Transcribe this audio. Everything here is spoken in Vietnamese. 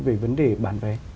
về vấn đề bán vé